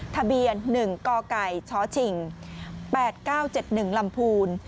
ทะเบียน๑กกชชิง๘๙๗๑ลำพูน